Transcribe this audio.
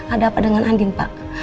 ada apa dengan andin pak